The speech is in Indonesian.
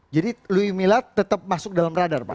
jadi luiz mila tetap masuk dalam radar pak